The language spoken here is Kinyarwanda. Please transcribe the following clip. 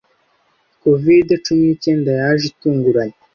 Covid-cumi n'icyenda yaje itunguranye.